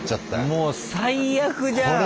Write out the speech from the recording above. もう最悪じゃん。